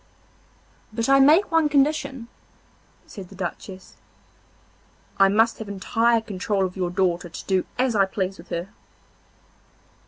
'But I make one condition,' said the Duchess; 'I must have entire control of your daughter to do as I please with her.